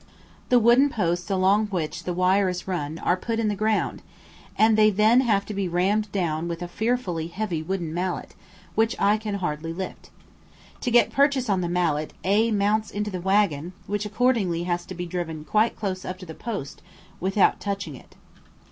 The wooden posts along which the wire is run are put in the ground, and they then have to be rammed down with a fearfully heavy wooden mallet, which I can hardly lift. To get purchase on the mallet A mounts into the waggon, which accordingly has to be driven quite close up to the post without touching it.